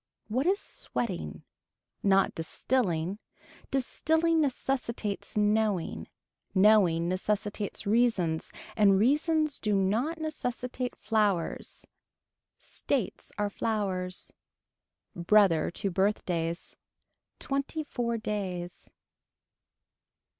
What is sweating. Not distilling. Distilling necessitates knowing. Knowing necessitates reasons and reasons do not necessitate flowers. States are flowers. Brother to birthdays. Twenty four days.